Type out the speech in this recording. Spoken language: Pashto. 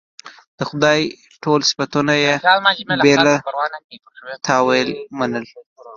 د خدای ټول صفتونه یې بې له تأویله منل.